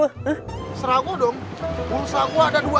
masalah gue dong pulsa gue ada dua juta